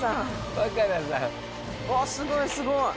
わっすごいすごい。